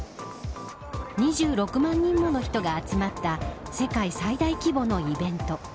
２６万人もの人が集まった世界最大規模のイベント。